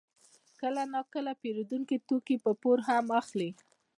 کله ناکله پېرودونکي توکي په پور هم اخلي